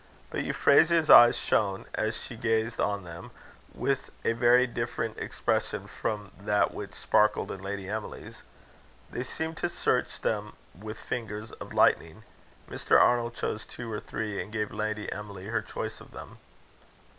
But Euphrasia's eyes shone, as she gazed on them, with a very different expression from that which sparkled in Lady Emily's. They seemed to search them with fingers of lightning. Mr. Arnold chose two or three, and gave Lady Emily her choice of them.